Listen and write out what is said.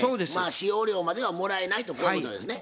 使用料まではもらえないとこういうことですね。